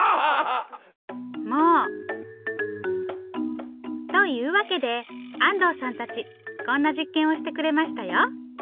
もう！というわけで安藤さんたちこんな実験をしてくれましたよ